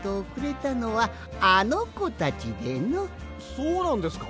そうなんですか？